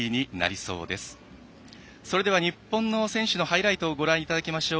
それでは日本の選手のハイライトをご覧いただきましょう。